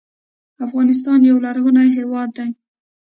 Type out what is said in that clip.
افغانستان یو لرغونی هیواد دی.